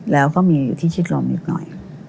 แล้วก็มีอยู่ที่ชิดลมนิดหน่อย